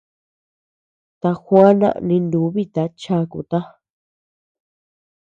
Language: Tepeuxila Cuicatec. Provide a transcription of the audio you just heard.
Ta juana ninubita chakuta.